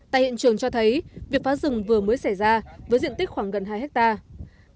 tại hiện trường cho thấy việc phá rừng vừa mới xảy ra với diện tích khoảng gần hai hectare